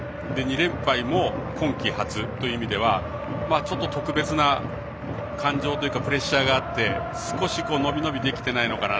２連敗も今季初という意味ではちょっと特別な感情というかプレッシャーがあって少し伸び伸びできてないのかな。